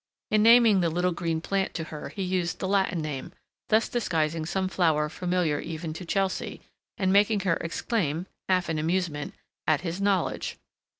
In naming the little green plant to her he used the Latin name, thus disguising some flower familiar even to Chelsea, and making her exclaim, half in amusement, at his knowledge.